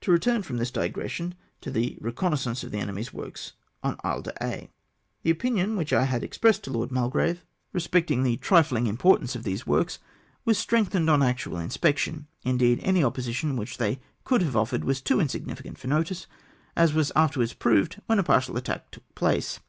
To return from tliis digression to the reconnaissance of the enemy's works on Isle d'Aix. The opinion which I had expressed to Lord Mid THE ISLE DAIX. 367 grave respecting the trilling importance of these works, was strengthened on actual inspection ; indeed any opposition which they could have offered was too insignificant for notice, as was afterwards proved when a partial attack took place.